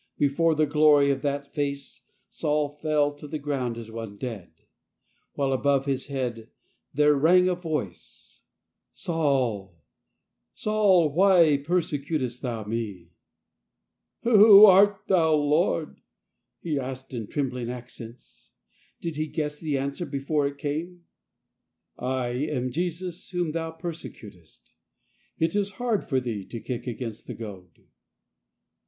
Before the glory of that Face Saul fell to the ground as one dead, while above his head there rang a Voice: "Saul, Saul, why perse r' .cutest thou Me ?" *^^^0 art thou, Lord?" he asked in "WHY PERSECUTEST THOU ME?" 19 trembling accents. Did he guess the answer before it came ?" I am Jesus, whom thou persecutest. It is hard for thee to kick against the goad."